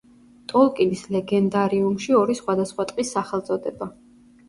ტოლკინის ლეგენდარიუმში ორი სხვადასხვა ტყის სახელწოდება.